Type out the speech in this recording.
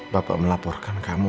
bapak melaporkan kamu